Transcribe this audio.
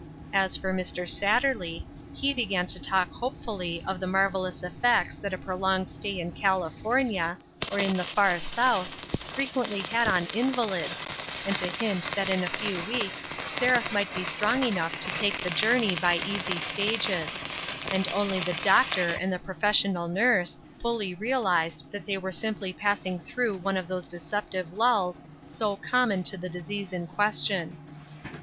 As for Mr. Satterley, he began to talk hopefully of the marvelous effects that a pro longed stay in California, or in the far South, frequently had on invalids, and to hint that in a few weeks Seraph might be strong enough to take the journey by easy stages ; and only the doctor and the professional nurse fully realized that they were simply passing through one of those decep tive lulls so common to the disease in question.